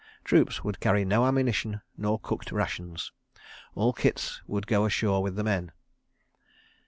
... Troops would carry no ammunition, nor cooked rations. All kits would go ashore with the men.